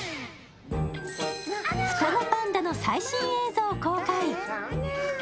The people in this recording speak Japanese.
双子パンダの最新映像公開。